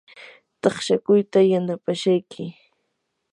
taqshakuyta yanapashayki.